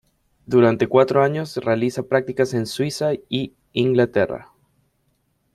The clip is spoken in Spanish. Durante cuatro años realiza prácticas en Suiza y Inglaterra.